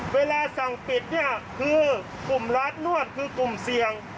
เวลาสั่งปิดเนี่ยคือกลุ่มร้านนวดคือกลุ่มเสี่ยง